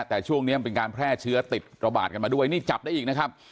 แต่ช่วงนี้มันเป็นการแพร่เชื้อติดระบาดกันมาด้วยนี่จับได้อีกนะครับ